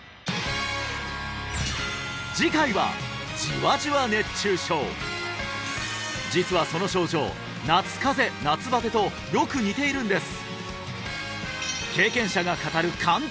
次回はじわじわ熱中症実はその症状夏風邪夏バテとよく似ているんです